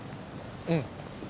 うん！